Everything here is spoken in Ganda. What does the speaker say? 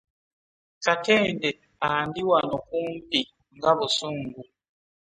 Katende andi wano kumpi nga busungu.